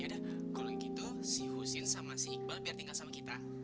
udah kalau gitu si husin sama si iqbal biar tinggal sama kita